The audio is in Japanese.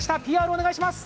ＰＲお願いします。